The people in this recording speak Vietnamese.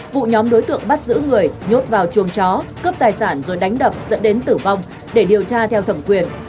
vụ nhóm đối tượng bắt giữ người nhốt vào chuồng chó cướp tài sản rồi đánh đập dẫn đến tử vong để điều tra theo thẩm quyền